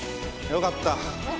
よかった。